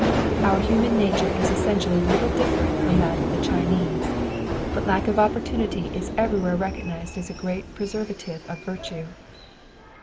Our human nature is essentially little different from that of the Chinese, but lack of opportunity is everywhere recognized as a great preservative of virtue.